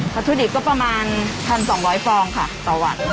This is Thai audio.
ถุดิบก็ประมาณ๑๒๐๐ฟองค่ะต่อวัน